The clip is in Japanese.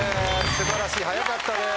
素晴らしい早かったです。